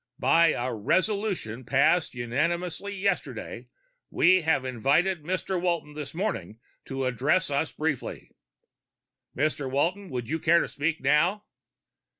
"By a resolution passed unanimously yesterday, we have invited Mr. Walton this morning to address us briefly. Mr. Walton, would you care to speak now?"